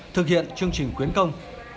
thực hiện chương trình quyến công